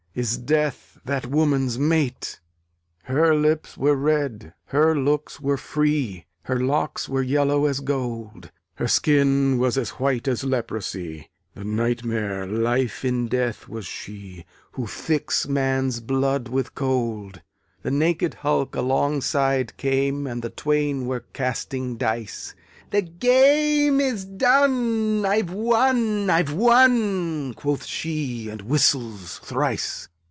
Is Death that woman's mate? Her lips were red, her looks were free, Her locks were yellow as gold: Her skin was as white as leprosy, The Nightmare Life in Death was she, Who thicks man's blood with cold. The naked hulk alongside came, And the twain were casting dice; 'The game is done! I've won! I've won!' Quoth she, and whistles thrice.